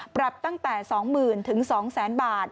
ปรับตั้งแต่๒๐๐๐๒๐๐๐๐บาท